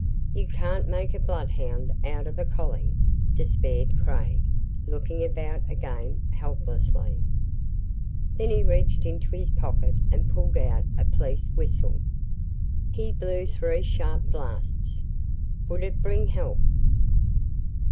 "You can't make a bloodhound out of a collie," despaired Craig, looking about again helplessly. Then he reached into his pocket and pulled out a police whistle. He blew three sharp blasts. Would it bring help?